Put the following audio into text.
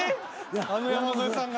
あの山添さんが。